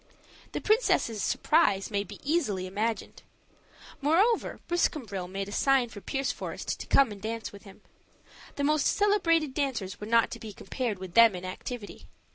The princess' surprise may be easily imagined. Moreover, Briscambril made a sign for Pierceforest to come and dance with him. The most celebrated dancers were not to be compared with them in activity.